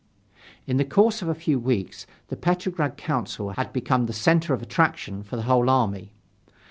In the course of a few weeks the Petrograd Council had become the center of attraction for the whole army.